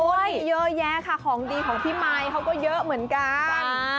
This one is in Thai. เยอะแยะค่ะของดีของพี่มายเขาก็เยอะเหมือนกัน